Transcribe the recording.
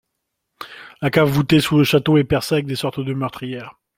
La cave voûtée sous le château est percée avec des sortes de meurtrières.